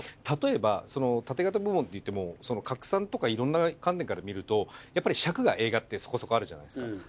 例えば縦型部門っていっても拡散とかいろんな観点から見るとやっぱり尺が映画ってそこそこあるじゃないですか。